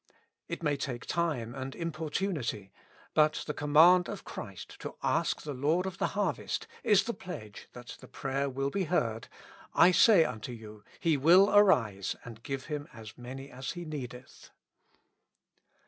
It may take time and importunity, but the command of Christ to ask the Lord of the harvest is 75 With Christ in the School of Prayer. the pledge that the prayer will be heard :*' I say unto you, he will arise and give him as many as he needeth."